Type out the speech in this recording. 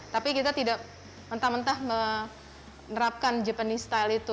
tapi kita tidak mentah mentah menerapkan japanese style itu